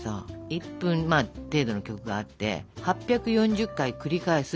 １分程度の曲があって８４０回繰り返すっていう曲なのよ。